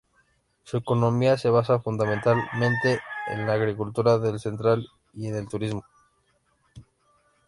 Su economía se basa fundamentalmente en la agricultura del cereal y en el turismo.